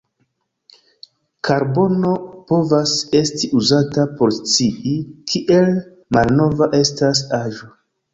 Karbono povas esti uzata por scii, kiel malnova estas aĵo.